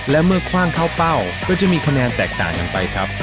แล้วเขียนไว้มานี่นะครับ